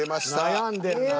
悩んでるなぁ。